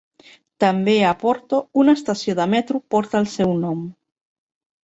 També a Porto una estació de metro porta el seu nom.